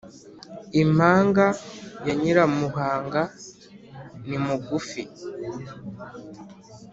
impanga ya nyiramuhanga ni mugufi